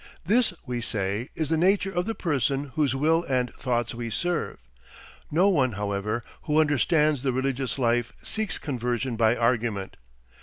This, we say, is the nature of the person whose will and thoughts we serve. No one, however, who understands the religious life seeks conversion by argument.